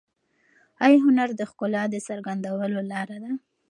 آیا هنر د ښکلا د څرګندولو لاره ده؟